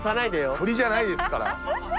振りじゃないですから。